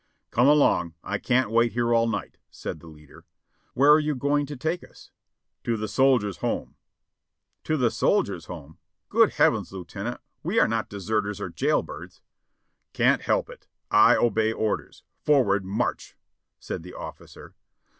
"Come along; I can't wait here all night," said the leader. "Where are you going to take us?" "To the Soldiers' Home." "To the Soldiers' Home? Good Heavens, lieutenant, we are not deserters or jail birds." "Can't help it, I obey orders. Forward, march !" said the officer.